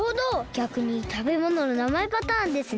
ぎゃくにたべものの名前パターンですね。